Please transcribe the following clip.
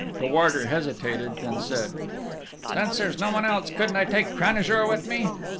The warder hesitated, then said: "Since there's no one else, couldn't I take Cranajour with me?"